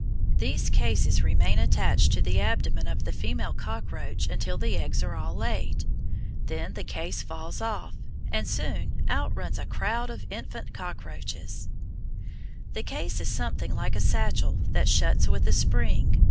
These cases remain attached to the abdomen of the female cockroach until the eggs are all laid. Then the case falls off, and soon out runs a crowd of infant cockroaches. The case is something like a satchel that shuts with a spring.